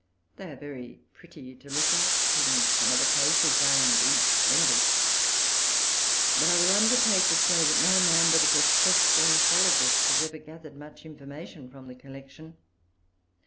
They are very pretty to look at, and some of the cases are, indeed, splendid; but I will undertake to say, that no man but a professed ornithologist has ever gathered much information from the collection.